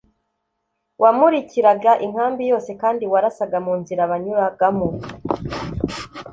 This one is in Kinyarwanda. wamurikiraga inkambi yose, kandi warasaga mu nzira banyuragamo.